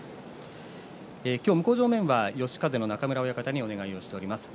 今日、向正面は嘉風の中村親方にお願いしています。